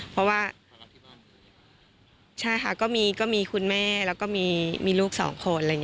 เพราะว่าใช่ค่ะก็มีคุณแม่แล้วก็มีลูกสองคน